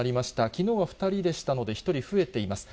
きのうは２人でしたので、１人増えています。